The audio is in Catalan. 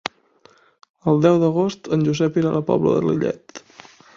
El deu d'agost en Josep irà a la Pobla de Lillet.